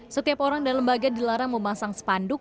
setiap orang dan lembaga dilarang memasang spanduk